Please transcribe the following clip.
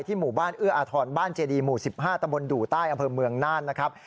หมู่บ้านเอื้ออาทรบ้านเจดีหมู่๑๕ตำบลดู่ใต้อำเภอเมืองน่านนะครับ